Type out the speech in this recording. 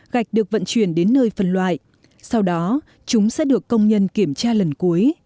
gạch được vận chuyển đến nơi phân loại sau đó chúng sẽ được công nhân kiểm tra lần cuối